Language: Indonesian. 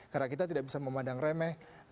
karena kita tidak bisa memandang remeh